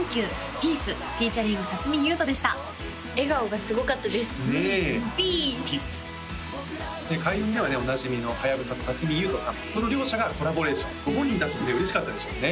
ピース開運ではねおなじみのはやぶさと辰巳ゆうとさんその両者がコラボレーションご本人達もね嬉しかったでしょうね